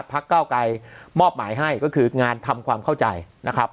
เก้าไกรมอบหมายให้ก็คืองานทำความเข้าใจนะครับ